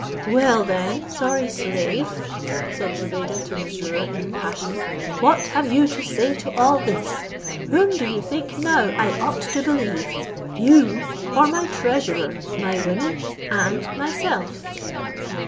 "Well, then, sorry slave," said Zobeide to Mesrour, in passion, "what have you to say to all this? Whom do you think now I ought to believe, you or my treasurer, my women, and myself?"